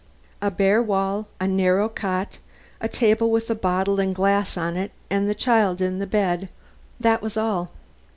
A bare wall, a narrow cot, a table with a bottle and glass on it and the child in the bed that was all.